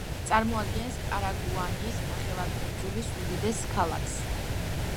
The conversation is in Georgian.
წარმოადგენს პარაგუანის ნახევარკუნძულის უდიდეს ქალაქს.